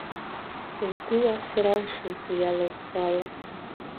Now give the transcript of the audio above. Лгәы уасыр алшоит уи ала ӷәӷәала.